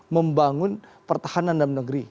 membangun pertahanan dalam negeri